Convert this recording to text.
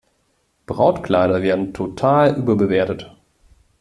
Brautkleider werden total überbewertet.